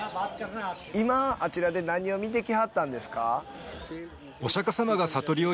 今あちらで何を見てきはったんですか？